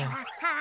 あ！